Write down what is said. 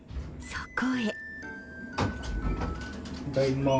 そこへ。